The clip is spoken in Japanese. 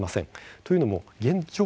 というのも現状